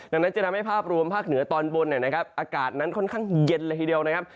ดังนั้นจะทำให้ภาพรวมภาคเหนือตอนบนนะครับอากาศนั้นค่อนข้างเย็นเลยทีเดียวนะครับ